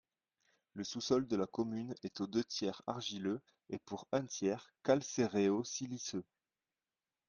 Le sous-sol de la commune est aux deux-tiers argileux et pour un tiers calcéréo-siliceux.